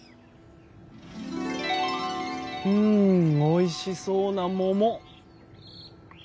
うんおいしそうな桃。